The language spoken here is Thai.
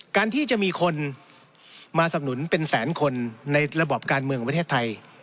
การที่จะมีคนมาสำนุนเป็นแสนคนในระบอบการเมืองประเทศไทย